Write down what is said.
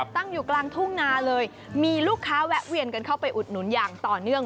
ตั้งอยู่กลางทุ่งนาเลยมีลูกค้าแวะเวียนกันเข้าไปอุดหนุนอย่างต่อเนื่อง